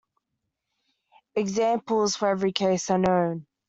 Examples for every case are known.